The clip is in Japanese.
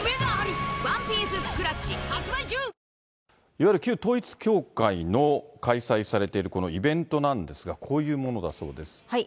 いわゆる旧統一教会の開催されているこのイベントなんですが、こういうものだそうです。